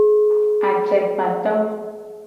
Acekpato.